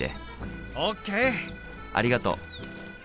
ありがとう。